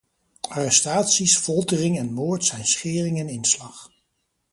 Arrestaties, foltering en moord zijn schering en inslag.